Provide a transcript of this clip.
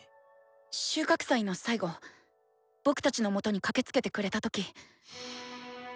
収穫祭の最後僕たちのもとに駆けつけてくれた時。